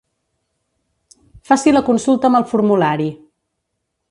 Faci la consulta amb el formulari.